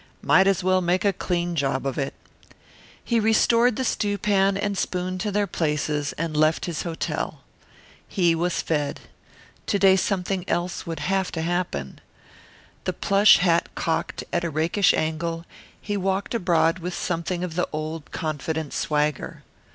Might as well make a clean job of it. He restored the stewpan and spoon to their places and left his hotel. He was fed. To day something else would have to happen. The plush hat cocked at a rakish angle, he walked abroad with something of the old confident swagger.